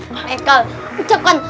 pak ekel ucapkan